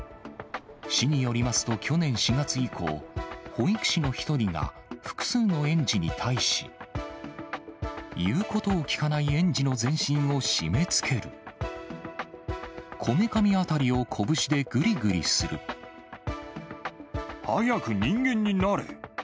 市によりますと、去年４月以降、保育士の１人が複数の園児に対し、言うことを聞かない園児の全身を締めつける、早く人間になれ。